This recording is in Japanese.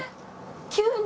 急に。